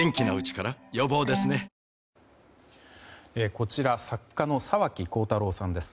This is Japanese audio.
こちら作家の沢木耕太郎さんです。